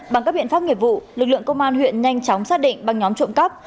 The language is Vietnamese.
bằng các biện pháp nghiệp vụ lực lượng công an huyện nhanh chóng xác định băng nhóm trộm cắp